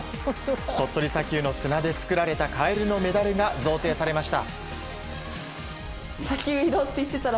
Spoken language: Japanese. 鳥取砂丘の砂で作られたカエルのメダルが贈呈されました。